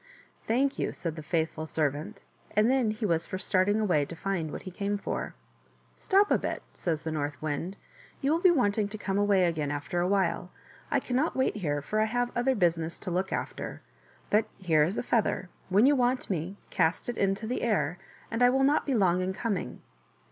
"Thank you," said the faithful servant, and then he was for starting away to find what he came for. " Stop a bit," says the North Wind, " you will be wanting to come away again after a while. I cannot wait here, for I have other business to look after. But here is a feather ; when you want me, cast it into the air, and I will not be long in coming."